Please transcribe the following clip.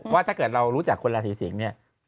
ถ้าเกิดเรารู้จักคนราศีสิงศ์เนี่ย